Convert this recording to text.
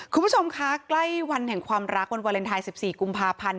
คุณผู้ชมคะใกล้วันแห่งความรักวันวาเลนไทย๑๔กุมภาพันธ์